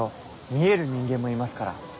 見える人間もいますから。